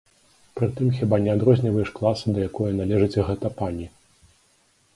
Прытым, хіба не адрозніваеш класы, да якое належыць гэта пані?